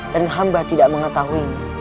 dan hamba tidak mengetahuinya